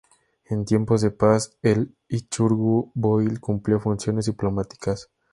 En tiempos de paz el Ichirgu-boil cumplía funciones diplomáticas.